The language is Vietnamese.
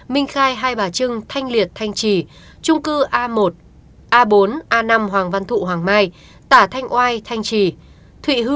minh khai hai bà trưng thanh liệt thanh trì trung cư a một a bốn a năm hoàng văn thụ hoàng mai tả thanh oai thanh trì